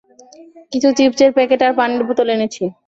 কিছু চিপসের প্যাকেট আর পানির বোতল এনেছি।